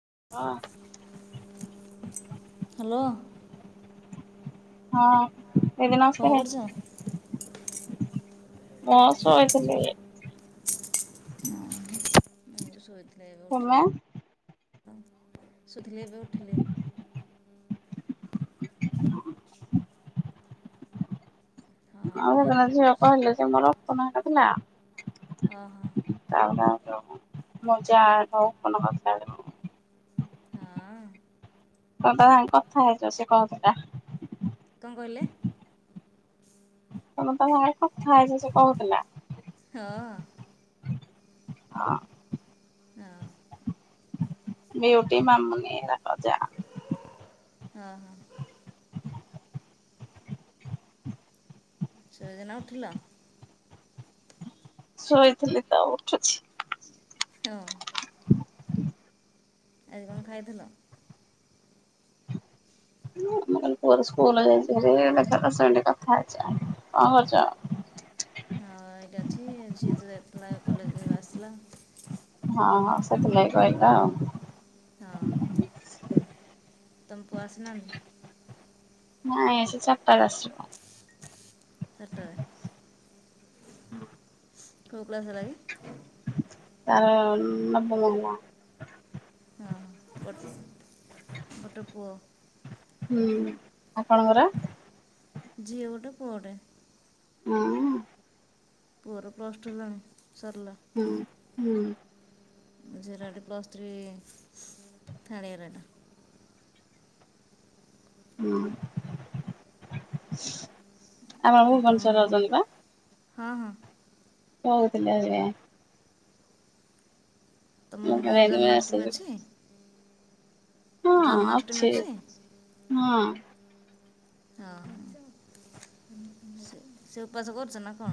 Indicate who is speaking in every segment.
Speaker 1: ହଁ
Speaker 2: ହ୍ୟାଲୋ
Speaker 1: [unintelligible] ହଁ। ଦିଦି
Speaker 2: କଣ
Speaker 1: ନମସ୍କାରେ
Speaker 2: କରୁଛ?
Speaker 1: ମୁଁ ଶୋଇଥିଲି।
Speaker 2: ହଁ [unintelligible] ମୁଁ ବି ଶୋଇଥିଲି। ଏବେ ଉଠିଲି
Speaker 1: [unintelligible]
Speaker 2: ଶୋଇଥିଲି ଏବେ ଉଠିଲେ।
Speaker 1: [unintelligible]
Speaker 2: ହଁ
Speaker 1: ଆଉ
Speaker 2: ଫ୍ୟାନ୍
Speaker 1: ଗାଁ ଝିଅ ଅପା ହେରିକା
Speaker 2: ବୁଲୁଛି
Speaker 1: [unintelligible] କହିଲେ ସେ ମୋର ଫୋନ୍ କରିଥିଲା।
Speaker 2: ଓହୋ
Speaker 1: [unintelligible] ତା ମଜା ହଉ [unintelligible]
Speaker 2: ହଁ ଅ।
Speaker 1: କଅଁ ତା ସାଙ୍ଗରେ କଥା ହେଇଛ ସେ କହୁଥିଲା।
Speaker 2: କଣ କହିଲେ?
Speaker 1: ତମେ ତା ସାଙ୍ଗରେ କଥା ହେଇଛ ସେ କହୁଥିଲା।
Speaker 2: ହଁ ହଁ।
Speaker 1: [unintelligible] ହଁ।
Speaker 2: ହଁ।
Speaker 1: ବିଉଟି ମାମୁନି [unintelligible]
Speaker 2: ହଁ ହଁ। ଶୋଇଛ ନା ଉଠିଲ?
Speaker 1: ଶୋଇଥିଲି ତ ଉଠୁଛି।
Speaker 2: ହଁ। ଆଜି କଣ ଖାଇଥିଲ?
Speaker 1: [unintelligible] କଣ କରୁଛ?
Speaker 2: ହଁ ଏଇଠି ଅଛି [unintelligible] କଲେଜ ରୁ ଆସିଲା।
Speaker 1: ହଁ ହଁ ସେଥିଲାଗି କଇଲା ଆଉ।
Speaker 2: ହଁ।
Speaker 1: [unintelligible]
Speaker 2: ତମ ପୁଅ ଆସିନାହାନ୍ତି।
Speaker 1: ନାଇଁ ସେ ଚାରଟାରେ ଆସବ।
Speaker 2: ସେଟାରେ। କୋଉ କ୍ଲାସ ହେଲା କି?
Speaker 1: ତାର [unintelligible]
Speaker 2: ହଁ ଗୋଟ ଗୋଟେ ପୁଅ।
Speaker 1: ହୁଁ ଆପଣଙ୍କର?
Speaker 2: ଝିଅଟେ ପୁଅଟେ।
Speaker 1: ହଁ।
Speaker 2: ପୁଅର ପ୍ଲସଟୁ ହେଲାଣି। ସରିଲା।
Speaker 1: ହୁଁ ହୁଁ।
Speaker 2: ଝିଅର ଅଟି ପ୍ଲସ୍ ଥ୍ରୀ ଥାର୍ଡ ଇଅର୍ ହେଲାଣି।
Speaker 1: ହଁ। ଆମର
Speaker 2: ଏ ତମ
Speaker 1: ଭୁବନେଶ୍ୱରେ ଅଛନ୍ତି ବା।
Speaker 2: ହଁ ହଁ।
Speaker 1: [unintelligible] ମୁଁ
Speaker 2: ତମ ଗାଁ
Speaker 1: କହିଲି
Speaker 2: ରେ
Speaker 1: ଏଇଠି ମେସେଜ
Speaker 2: ଜନ୍ମାଷ୍ଟମୀ ଅଛି।
Speaker 1: ହଁ ଅଛି ହଁ। ହଁଁ।
Speaker 2: ହଁ [inaudible] ବସ କରଛ ନା କଣ?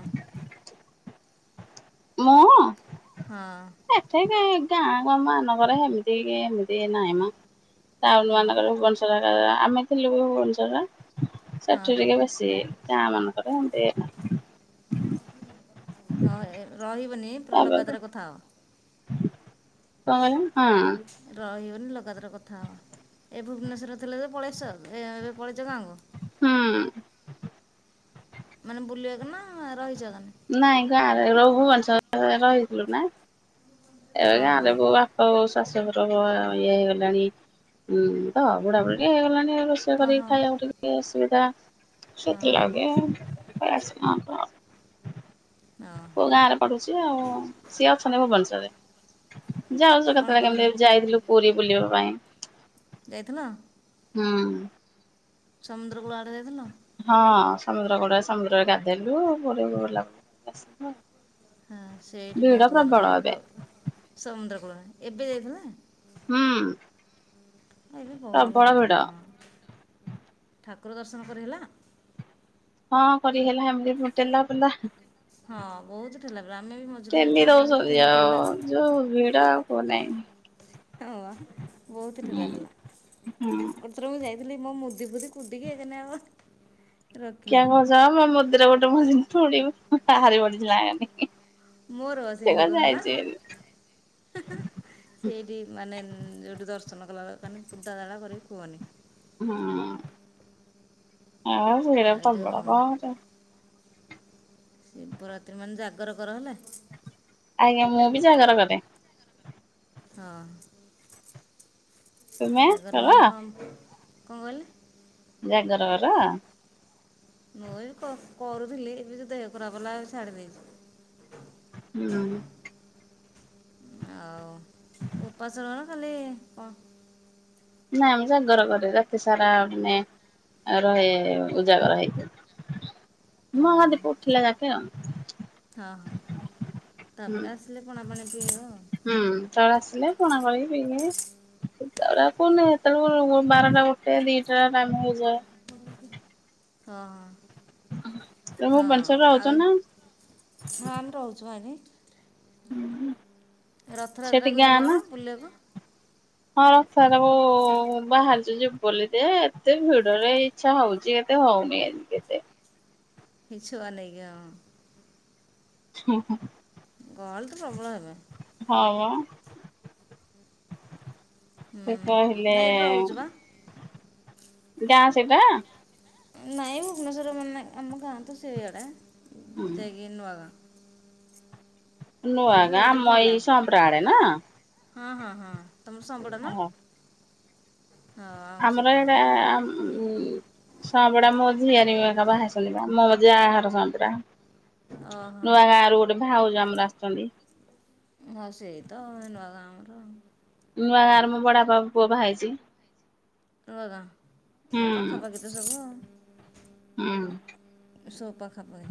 Speaker 1: ମୁଁ?
Speaker 2: ହଁ
Speaker 1: ଏତେ ଗାଇ ଗାଁ ଗାଁ ମାନକରେ ଏମିତି କି ଏମିତି ନହିଁ ମ। ଟାଉନ୍
Speaker 2: ହଁ
Speaker 1: ମାନଙ୍କରେ ଭୁବନେଶ୍ୱର [unintelligible] ରା ଆମେ ଥିଲୁ ଭୁବନେଶ୍ଵରରେ।
Speaker 2: ହଁ
Speaker 1: ସେଠି
Speaker 2: ହଁ
Speaker 1: ଟିକେ ବେଶୀ ଗାଁ ମାନ କ ହେମିତି
Speaker 2: ହଁ ରହିବନି ପୁରା ଲଗାତାର କଥା ଆ
Speaker 1: କହିଲ ହଁ
Speaker 2: ରହିବ। ଏଥର ଲଗାତାର କଥା ହେବା ଏ ଭୁବନେଶ୍ୱର ଥିଲେ ଯେ ପଳେଈ ଆସିଛ। ଏ ଏବେ ପଳେଇଚ ଗାଁକୁ
Speaker 1: ହୁଁ।
Speaker 2: ମାନେ ବୁଲିବାକୁ ନା ରହିଛ। ଗାଁରେ
Speaker 1: ନାଇଁ ଗାଁରେ ରଘୁବଂଶ ରହିଥିଲୁ ନା। ଏବେ ଗାଁ
Speaker 2: ଓହୋ
Speaker 1: ରେ ମୋ ବାପା ବୋଉ ସବୁ ଶାଶୁ ବ ଇଏ ହେଇଗଲାଣି ଉଁ ତ ବୁଢା ବୁଢି ହେଇଗଲାଣି। ରୋଷେଇ
Speaker 2: ଓହୋ
Speaker 1: କରିକ ଖାଇବାକୁ ଟିକେ ଅସୁବିଧା
Speaker 2: ହଁ
Speaker 1: ସେତ
Speaker 2: ହଁ
Speaker 1: ଲାଗି ପଳେଇ ଆଜିଲୁ ଗାଁକୁ ଆଉ।
Speaker 2: ଓହୋ
Speaker 1: ପୁଅ ଗାଁ ରେ ପଢୁଛି ଆଉ ସିଏ ଅଛନ୍ତି ଭୁବନେଶ୍ୱର ରେ ଯାଉଛୁ
Speaker 2: କ'ଣ
Speaker 1: କେତେବେଳେ
Speaker 2: କରନ୍ତି
Speaker 1: କେମିତି ଯାଇଥିଲୁ ପୁରୀ ବୁଲିବା ପାଇଁ
Speaker 2: ଯାଇଥିଲ?
Speaker 1: ହୁଁ।
Speaker 2: ସମୁଦ୍ର କୂଳ ଆଡେ ଯାଇଥିଲ?
Speaker 1: ହଁ ସମୁଦ୍ର କୋଡ ସମୁଦ୍ରରେ ଗାଧେଇଲୁ ବୁଲା ବୁଲି ଆସିଲୁ ଆଉ।
Speaker 2: ହଁ ସେଇଠି
Speaker 1: ଭିଡ
Speaker 2: ବହୁତ ଭଲ
Speaker 1: ପ୍ରବଳ ଏବେ
Speaker 2: ଲାଗେ ସମୁଦ୍ର କୂଳ ଏବେ ଯାଇଥିଲା?
Speaker 1: ହୁଁ।
Speaker 2: ଏବେ ବହୁତ ଭିଡ ଥିବ ହଁ [inaudible] ଠାକୁ କୁର ଦର୍ଶନ କରି ହେଲା?
Speaker 1: ହଁ କରି ହେଲା ଏମିତି ଠେଲା ପେଲା
Speaker 2: ହଁ ବହୁତ ଠେଲା ପେଲା ଆାମେ ବି ମଝିରେ
Speaker 1: ଠେଲି
Speaker 2: ଯାଇଥିଲୁ
Speaker 1: ଦଉଛନ୍ତି
Speaker 2: ବହୁତ ଏମିତି
Speaker 1: ଆଉ
Speaker 2: ଠେଲା
Speaker 1: ଯୋଉ ଭିଡ ଆଉ କୁହ ନାହିଁ
Speaker 2: [inaudible] ବହୁତ
Speaker 1: ହୁଁ
Speaker 2: ଠେଲା ପେଲା
Speaker 1: ହୁଁ
Speaker 2: ଗୋଟେ ଥର ମୁଁ ଯାଇ ଆଗଲି ମୁଁ ମୁଦି ଫୁଦି କୁଡି କେଁ ଆଉ [inaudible]
Speaker 1: କିୟା କହୁଛ ମନ୍ଦିରେ ଗୋଟେ। [unintelligible]
Speaker 2: ମୋର
Speaker 1: ସେ
Speaker 2: ସିମ
Speaker 1: କଣ
Speaker 2: ହେଲା
Speaker 1: ଯାଇଛି ବୋଲି।
Speaker 2: [inaudible] ସେଇଠି ମାନେ ଯୋଉଠି ଦ ର୍ଶନ କଲା କଣି ବୁଦ୍ଧା ଦଡ଼ା କରରେ କୁହନି।
Speaker 1: ହଁ। [inaudible]
Speaker 2: ଆଉ
Speaker 1: ଆଁ।।
Speaker 2: ଯେଉଁ
Speaker 1: [unintelligible]
Speaker 2: ଶିବରାତ୍ରି ମାନେ ଜାଗର କର ହେଲା।
Speaker 1: ଆଜ୍ଞା ମୁଁ ବି ଜାଗର କରେ।
Speaker 2: ହଁ।
Speaker 1: ତୁମେ
Speaker 2: ଜାଗର
Speaker 1: କର?
Speaker 2: ମାନେ କମ୍ କଣ କହିଲେ?
Speaker 1: ଜାଗର ଗର
Speaker 2: ମୁଁ
Speaker 1: [inaudible]
Speaker 2: ଏଇ କ- କରୁଥିଲି ଏବେ ଯ ଦେହ ଖରାପହେଲା ଛାଡି ଦେଇଛି।
Speaker 1: ହୁଁ।
Speaker 2: ଆଉ ଉପାସ ର ନା ଖାଲି କ
Speaker 1: ନା ମୁଁ ଜାଗର କରେ ରାତି ସାରା ମାନେ ରହେ ଉଜାଗର ହେଇକି।
Speaker 2: ହଁ ହଁ
Speaker 1: ମହାଦୀପ ଉଠିଲା ଯାକେ ଆଉ।
Speaker 2: ହଁ ହଁ
Speaker 1: ହୁଁ
Speaker 2: ତାପରେ ଆସିଲେ ପଣାପାଣି ପିଇବ ଆଉ।
Speaker 1: ହୁଁ ତାପରେ ଆସିଲେ ପଣା କରିକି ପିକି ସୋ କନ ସେତେବେଳଳେ ବାରଟା ଗୋଟେ ଦିଟା ଟାଇମ ହେଇଯାଏ।
Speaker 2: [inaudible] ହଁ। [inaudible] ହଁ
Speaker 1: ଭୁବନେଶ୍ୱରରେ ରହୁଛ
Speaker 2: ଆଉ
Speaker 1: ନା
Speaker 2: ହଁ ଆମେ ରହୁଛୁ ଭାଇନି।
Speaker 1: ସେଠି
Speaker 2: ରଥଯାତ୍ରାକୁ
Speaker 1: ଗାଁ
Speaker 2: ଯିବ କଣ ବୁଲିବାକୁ?
Speaker 1: ସାର ବାହାରିଚୂ ଯିବୁ ବୋଲି ଯେ ଏତେ ଭିଡରେ ଇଚ୍ଛା ହଉଛି କେତେ ହଉନି ଆଜି କେତେ।
Speaker 2: ହେ ଛୁଆ ଆନେଇକି ହଁ।
Speaker 1: ହୁଁ ହୁଁ।
Speaker 2: ଗହଳି ତ ପ୍ରବଳ ହେବେ।
Speaker 1: ହଁ ପା।
Speaker 2: ହୁଁ
Speaker 1: ସେ କହିଲେ
Speaker 2: ନାଇଁ ଏଠି ରହୁଛୁ ବା
Speaker 1: ଗାଁ ସେଇଟା?
Speaker 2: ନାଇଁ ଭୁବନେଶ୍ୱର ଆମ ଗାଁ ତ ସେଇଆଡ଼େ। ଜାଇ କିି ନୂଆ ଗାଁ।
Speaker 1: ନୂଆଗାଁ
Speaker 2: ରହୁଛୁ
Speaker 1: ଆମ ଏଇ
Speaker 2: ଭଡ଼ା
Speaker 1: ସମ୍ପ୍ରା ଆଦେ ନା?
Speaker 2: ହଁ ହଁ ହଁ। ତମ ସମ୍ପଡ଼ା ନା? ହଁ ଆମ
Speaker 1: ଆମର
Speaker 2: ସେପଟେ ତ
Speaker 1: ଏଇଟା ସମ୍ପଡା ମୋ ଝିଅର ବାହାହେଇଛନ୍ତି ପା ମୋ ଯା ସ ମ୍ପଡା।
Speaker 2: ଓହୋ
Speaker 1: ନୂଆଗାଁ ରୁ ଗୋଟେ ଭାଉଜ ଆମର ଆସିଛନ୍ତି।
Speaker 2: ହଁ ସେଇ ତ ନୂଆ ଗାଁ ଆମର।
Speaker 1: ନୂଆଗାଁ ରେ ମୋ ବଡ ବାପା ପୁଅ ବାହାହେଇଛି।
Speaker 2: ନୂଆଗାଁପାଖାପାଖି ତ ସବୁ
Speaker 1: ହୁଁ
Speaker 2: ସବୁ ପାଖାପାଖି।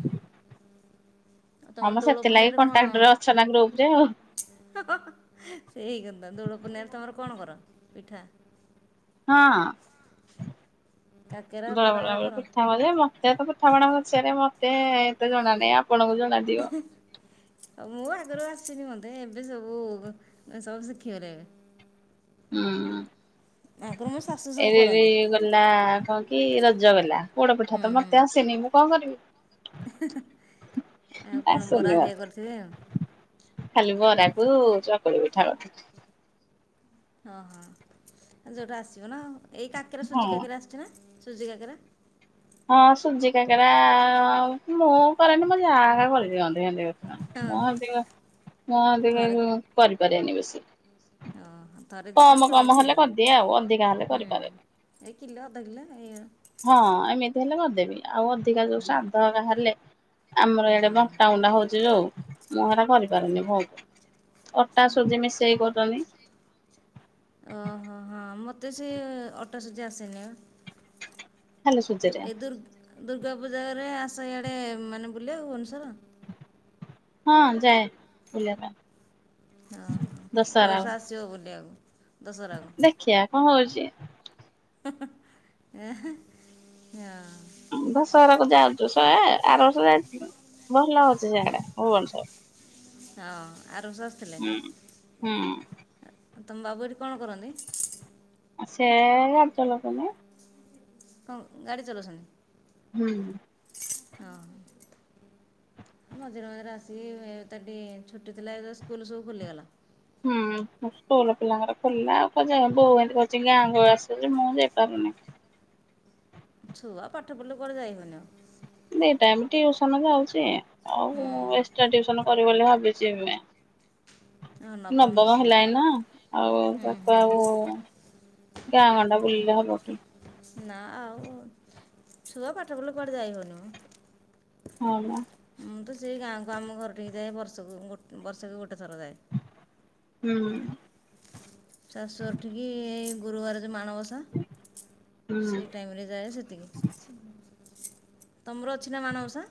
Speaker 2: ଆଉ
Speaker 1: ହଁ
Speaker 2: ତମର
Speaker 1: ମ
Speaker 2: ଦୋଳ ପୁର୍ଣିମା
Speaker 1: ସେଥିଲାଗି
Speaker 2: ରେ କଣ
Speaker 1: କଣ୍ଟାକ୍ଟରେ ଅଛ ନା ଗ୍ରୁପ ରେ ଆଉ
Speaker 2: ସେଇ କଥା ଦୋଳ ପୁର୍ଣିମା ରେ ତମର କଣ କର ପିଠା?
Speaker 1: ହଁ
Speaker 2: କାକେରା
Speaker 1: ବେଲେ
Speaker 2: ବରା ଏରା
Speaker 1: ବେଳେ
Speaker 2: କର
Speaker 1: ପିଠା ବଳେ ମତେ ତ ପିଠା ପଣା ମତେ ଏତେ ରୁଚେନି ମତେ ଏତେ ଜଣା ନାହିଁ ଆପଣଙ୍କୁ ଜଣା ଥିବ?
Speaker 2: ମୁଁ ଆଗରୁ ଆସିନି ମତେ ଏବେ ସବୁ ସବୁ ଶିଖିଗଲେ ଏବେ।
Speaker 1: ହୁଁ।
Speaker 2: ଆଗରୁ ମୋ ଶାଶୁ ସବୁ
Speaker 1: ଏରେରେ
Speaker 2: କରନ୍ତି
Speaker 1: ଗଲା କଣ କି ରଜ ଜଗଲା। ପୋଡ ପିଠା
Speaker 2: ହୁଁ
Speaker 1: ତ
Speaker 2: ହୁଁ
Speaker 1: ମତେ ଆସେନି ମୁଁ କଣ କରିବି?
Speaker 2: ଆଉ କ'ଣ ବରା
Speaker 1: ଆସୁନି
Speaker 2: ହେରିକା କରିଥିବେ ଆଉ
Speaker 1: ମତେ। ଖାଲି ବାରାକୁ ଚକୁଳି ପିଠା ଗଟେ।
Speaker 2: ହଁ ହଁ ଆଉ ଯୋଉଟା ଆସିବ ନାଉ। ଏଇ କାକେରା ସୁଜି
Speaker 1: ହଁ।
Speaker 2: କାକେରା ଆସିୁଛି ନା। ସୁଜି କାକରା।
Speaker 1: ହଁ ସୁଜି କାକରା ମୁଁ କରେନି ମୁଁ ଯା କରିଦିଅନ୍ତି।
Speaker 2: ହଁ
Speaker 1: ମୁଁ ଅଧିକ-ମୁଁ ଅଧିକ କରିପାରିବନି ବେଶି। [inaudible]
Speaker 2: ଅ ହ।
Speaker 1: କମ୍ କମ୍ କାମ ହେଲେ କରିଦିଏ ଆଉ ଅଧିକା ହେଲେ
Speaker 2: ହୁଁ
Speaker 1: ଆକରିପାରେନି
Speaker 2: ଏଇ କିଲୋ ଅଧ କିଲୋ ଏଇ
Speaker 1: ହଁ ଏମିତି ହେଲେ କରିଦି ଦେବି ଆଉ। ଅଧିକା ଯୋଉ ସଧା ହ ଙ୍କା ହେଲେ। ଆମର
Speaker 2: ହୁଁ
Speaker 1: ଏଇଡେ ବାଟାାଉଣ୍ଡା ହଉଛି ଯୋଉ। ମୁଁ ଏରା କରିପାରୁନି ବଉତ। ଅଟା ସୁଜି ମିଶେଇ କରୁ [unintelligible]
Speaker 2: ଓହୋ ହଁ ମୋତେ ସେ ଅଟା ସୁଜି ଆସେନି।
Speaker 1: ଖାଲି ସୁଜିରେ।
Speaker 2: ଏଇ ଦୁର୍ ଦୁର୍ଗା ପୂଜାରେ ଆସଆଡେ ମାନେ ବୁଲିବା ଭୁବନେଶ୍ୱର।
Speaker 1: ହଁ ଯାଏ ବୁଲିବା ପାଇଁ।
Speaker 2: ହଁ ଏ ବର୍ଷ ଆଶିବ ବୁଲିବାକୁ ଦଶହରାକୁ
Speaker 1: ଦେଖିିବା କଣ ହଉଛି? [unintelligible]
Speaker 2: ଏ ହେଁ ହଁ।
Speaker 1: ଦଶହରାକୁ ଯାଉଛୁ ଶହେ ଆର ବର୍ଷ ଯାଇଥିଲୁ। ଭଲ ହଉଛି ସେଆଡା ଭୁବନଶର୍।
Speaker 2: ହଁ‌।
Speaker 1: ହୁଁ ହୁଁ।
Speaker 2: ତମ ବାବୁ ଏଠି କଣ କରନ୍ତି?
Speaker 1: ସେ-ଏ-ଏ ରାଜ ଲୋକ ନେ
Speaker 2: ହଁ ଗାଡି ଚଲଉଛନ୍ତି।
Speaker 1: ହୁଁ।
Speaker 2: ହଁ ମଝିରେ ମଝିରେ ଆସିକି ଏ ଟ ଛୁଟି ଥିଲା ଏ ସ୍କୁଲ ସବୁ ଖୋଲିଗଲା।
Speaker 1: ହୁଁ [unintelligible] ପିଲାଙ୍କର ଖୋଲି ଆଉ କ ବୋଉ ଏମିତି କହୁଛି ଗାଁ ଆସୁଛି ମୁଁ ଯାଇପାରୁନି।
Speaker 2: ଛୁଆ ପାଠ ପଢ଼ିଲେ, କୁଆଡେ ଯାଇହବନି ଆଉ।
Speaker 1: ଟାଇମ୍ ଟିଉସନ ଯାଉଚିଁ। ଆଉ ଏକ୍ସଟ୍ରା ଟିୟୁସନ କର ବୋଲି ଭାବିଛି ଏବେ।
Speaker 2: ହଁ
Speaker 1: ନବମ
Speaker 2: ଦଶମ
Speaker 1: ହେଲାଣି ନା ଆଉ
Speaker 2: ହୁଁ
Speaker 1: ତାକୁ
Speaker 2: ହୁଁ
Speaker 1: ଆଉ ଗାଁ ଗଣ୍ଡା ବଲିଲଲେ ହବ। କି?
Speaker 2: ନା ଆଉ ଛୁଆ ପାଠ ପଢଲ କୁଆଡେ ଯାଇ ହଉନୁ ମ।
Speaker 1: ହଁ ମ।
Speaker 2: ମୁଁ ତ ସେ ଗାଁକୁ ଆମ ଘରଟେ ହେଇଯାଏ ବର୍ଷକୁ ଗୋ ବର୍ଷକୁ ଗୋଟେ ଥର ଯାଏ।
Speaker 1: ହୁଁ
Speaker 2: ଶାଶୁ ଉଠିକି ଏଇ ଗୁରୁବାର ମାଣବସା
Speaker 1: ହୁଁ
Speaker 2: ସେ ଟାଇମରେ ଯାଏ ସେତିକି। ତମର ଅଛି ନା ମାଣବସା।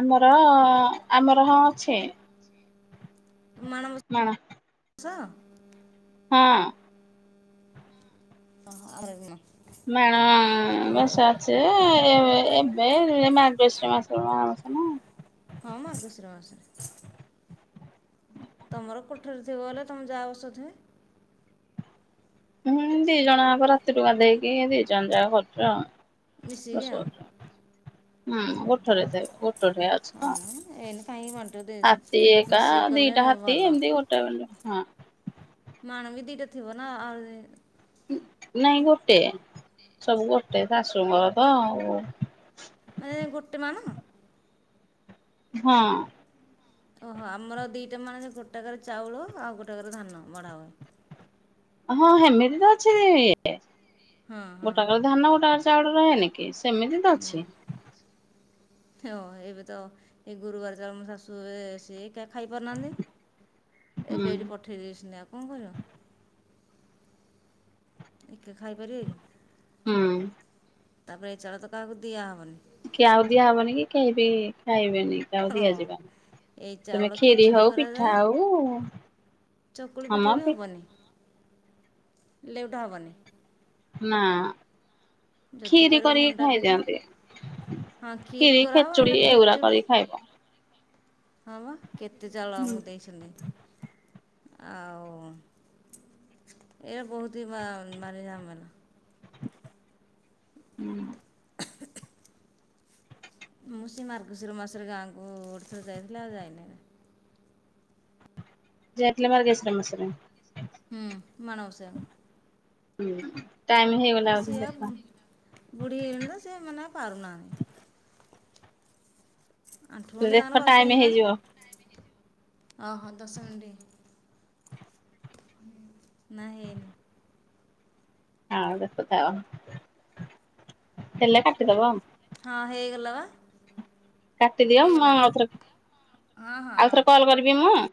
Speaker 1: ଆମର ଆମର ହଁ ଅଛି।
Speaker 2: ତ ମାନ।
Speaker 1: ମାଣ
Speaker 2: [inaudible] ହ। [inaudible]
Speaker 1: ହଁ।
Speaker 2: ହ ଆ। [unintelligible]
Speaker 1: ମାଣବସା ଅଛି ଏ ଏ ମାର୍ଗଶିର ମାସ ରେ ମାଣଵସା ନା।
Speaker 2: ହଁ ମାର୍ଗଶିର ମାସରେ। ତମର କୋଠରେ ଥିବ ବଲେ ତମେ ଯାହା ଔଷଧ ହ।
Speaker 1: ହୁଁ ଦି ଜଣ ଆକ ରାତି ଗାଧେଇକି ଦି ଜଣ ଯାକ କରଛ ଆଉ।
Speaker 2: ମିଶିକି
Speaker 1: ଶ
Speaker 2: ଆଉ
Speaker 1: ହୁଁ ଗୋଟରେ ଥବେ ଗୋଟଟ ଆଛି
Speaker 2: ହଁ
Speaker 1: କଣ
Speaker 2: ମ ଏଇନେ କାହିଁକି ବାଣ୍ଟିବ ଦି
Speaker 1: ହାତୀ ଏକା
Speaker 2: ମିଶିକି କଲେ
Speaker 1: ଦିଟା ହାତୀ
Speaker 2: ଭଲ
Speaker 1: ଏମିତି ଗୋଟେ ହଁ।
Speaker 2: ମାଣ ବି ଦିଟା ଥିବ ନା ଆ
Speaker 1: ନାଇଁ ଗୋଟେ ସବୁ ଗୋଟେ ଶାଶୁଙ୍କର ତ ଆଉ।
Speaker 2: ମାନେ ଗୋଟେ ମାଣ।
Speaker 1: ହଁ।
Speaker 2: ଓହୋ ଆମର ଦିଟା ମାଣ ଗୋଟାକରେ ଚାଉଳ ଆଉ ଗୋଟାକରେ ଧାନ ବଢା ହୁଏ।
Speaker 1: ହଁ ସେମିତି ତ ଅଛି।
Speaker 2: ହଁ ହଁ
Speaker 1: ଗୋଟା କରେ ଧାନ ଗୋଟେ ଆ ଚାଉଳ ରହେ ନିକି। ସେମିତି ତ ଅଛି।
Speaker 2: ହଁ ଏବେ ତ ଏଇ ଗୁରୁବାର ତ ଶାଶୁ ଶ ଟା ଖାଇପାରୁନାହାନ୍ତି
Speaker 1: ହୁଁ
Speaker 2: ଏବେ ଏଇଠି ପଠେଇ ଦେଇେସି ଆଉ କଣ କରିଵ। ଟିକେ ଖାଇପାରିବେ କି?
Speaker 1: ହୁଁ
Speaker 2: ତାପରେ ଏ ଚଳ ତ କାହାକୁ ଦିଆହବନି।
Speaker 1: କିଏ ଆଉ ଦିଆ ହବନି କି କେହି ବି ଖାଇବେନି? ଆ
Speaker 2: ହଁ
Speaker 1: ଦିଆଯିବନି
Speaker 2: ଏଇ
Speaker 1: ତମେ
Speaker 2: ଚାଉଳ
Speaker 1: ଖିରି
Speaker 2: ଖେଚୁଡ଼ି
Speaker 1: ହଉ ପିଠା
Speaker 2: କରାଯାଏ
Speaker 1: ହଉ
Speaker 2: ଚକୁଳି
Speaker 1: ହ
Speaker 2: ପିଠା
Speaker 1: ମ
Speaker 2: ବି ହେବନି ଲେଉଟା ହେବନି।
Speaker 1: ନା।
Speaker 2: ଯଦି
Speaker 1: କ୍ଷୀରି
Speaker 2: କରିବ
Speaker 1: କରିକି
Speaker 2: ମଣ୍ଡା ପିଠା,
Speaker 1: ଖାଇଦିଅନ୍ତି।
Speaker 2: ହଁ ଖିରି
Speaker 1: କ୍ଷୀରି
Speaker 2: କରାହେବ
Speaker 1: ଖେଚୁଡି
Speaker 2: ନହେଲେ
Speaker 1: ଏଗୁଡା
Speaker 2: ଖେଚୁଡି।
Speaker 1: କରିକି ଖାଇବ।
Speaker 2: ହଁ ବା କେତେ ଚାଉଳ
Speaker 1: ହୁଁ
Speaker 2: ଆମକୁ ଦେଇଛନ୍ତି। ଆଉ ଏ ବହୁତ ହି ଭାରି ଝାମେଲା।
Speaker 1: ଉଁ। [unintelligible]
Speaker 2: ମୁଁ ସେ ମାର୍ଗଶୀର ମାସରେ ଗାଁକୁ ଗୋଟେ ଥରେ ଯାଇଥିଲେ ଆଉ ଯାଇନି।
Speaker 1: ଯାଇ ଥିଲି ମାର୍ଗଶିର ମାସରେ।
Speaker 2: ହୁଁ
Speaker 1: ହୁଁ। ଟାଇମ ହେଇଗଲା ବୋଧେ
Speaker 2: ସିଆ
Speaker 1: ଦେଖ।
Speaker 2: ବୁଢୀ ହେଇଲେଣି ତ ସେ ମାନେ ଆଉ ପାରୁନାହାନ୍ତି। ଆଣ୍ଠୁ ଗଣ୍ଠି ତାଙ୍କର
Speaker 1: ଦେଖ
Speaker 2: ବାତ
Speaker 1: ଟାଇମ
Speaker 2: ହେଇଗଲାଣି
Speaker 1: ହେଇଯିବ।
Speaker 2: ଓହୋ ଦଶ ମିନିଟ, ନା ହେଇନି।
Speaker 1: ଆଉ ଦେଖୁଥାଅ ହେଲେ କରିଦବ ଆଉ।
Speaker 2: ହଁ ହେଇଗଲା ବା।
Speaker 1: କାଟିଦିଅ ମୁଁ
Speaker 2: ହେଇଗଲା
Speaker 1: ଆଉ ଥରେ
Speaker 2: ହଁ ହଁ
Speaker 1: ଆଉ
Speaker 2: ହଁ
Speaker 1: ଥରେ କଲ କରିବି ମୁଁ ଆଉ।